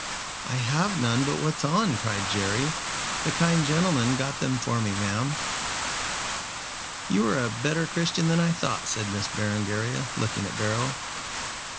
"I have none but what's on," cried Jerry. "The kind gentleman got them for me, ma'am." "You are a better Christian than I thought," said Miss Berengaria, looking at Beryl.